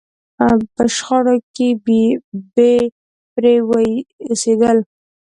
په شخړو کې بې پرې اوسېدل.